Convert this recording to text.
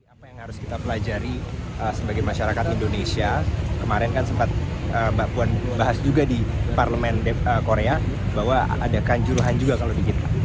apa yang harus kita pelajari sebagai masyarakat indonesia kemarin kan sempat mbak puan bahas juga di parlemen korea bahwa ada kanjuruhan juga kalau di kita